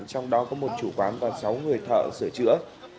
trong đó có một chủ quán và sáu người thợ sửa chữa